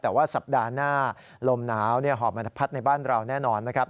แต่ว่าสัปดาห์หน้าลมหนาวหอบมาพัดในบ้านเราแน่นอนนะครับ